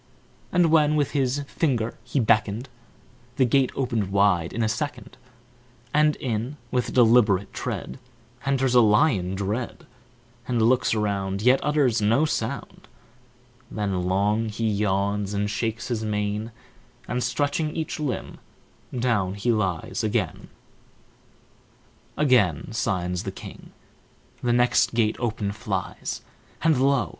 And when with his finger he beckoned, The gate opened wide in a second And in, with deliberate tread, Enters a lion dread, And looks around Yet utters no sound; Then long he yawns And shakes his mane, And, stretching each limb, Down lies he again. Again signs the king, The next gate open flies, And, lo!